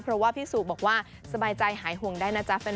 เพราะว่าพี่สุบอกว่าสบายใจหายห่วงได้นะจ๊ะ